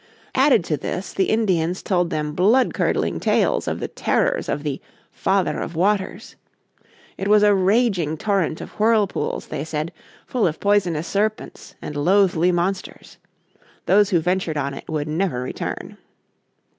Added to this the Indians told them bloodcurdling tales of the terrors of the "Father of Waters." It was a raging torrent of whirlpools, they said, full of poisonous serpents and loathly monsters. Those who ventured on it would never return.